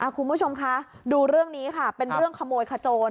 คุณผู้ชมคะดูเรื่องนี้ค่ะเป็นเรื่องขโมยขโจร